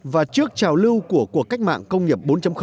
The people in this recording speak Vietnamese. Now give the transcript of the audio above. và trước trào lưu của cuộc cách mạng công nghiệp bốn